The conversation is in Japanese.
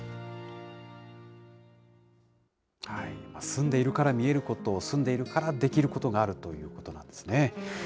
住んでいるから見えること、住んでいるからできることがあるということなんですね。